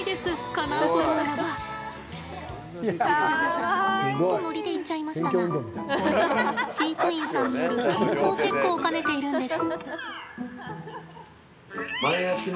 かなうことならば。とノリで言っちゃいましたがこれ、飼育員さんによる健康チェックを兼ねているんです。